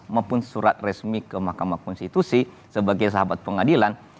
maupun surat resmi ke mahkamah konstitusi sebagai sahabat pengadilan